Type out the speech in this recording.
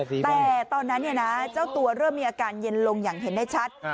แต่ตอนนั้นเจ้าตัวเริ่มมีอาการเย็นลงอย่างเห็นได้ชัด